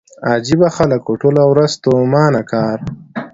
عجيبه خلک وو ټوله ورځ ستومانه کار.